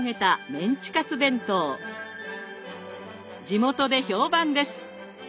地元で評判です。